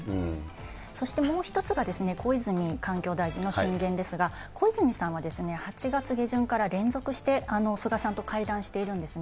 そしてもう一つが小泉環境大臣の進言ですが、小泉さんは８月下旬から連続して、菅さんと会談しているんですね。